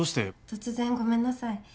突然ごめんなさい。